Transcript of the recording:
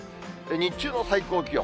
日中の最高気温。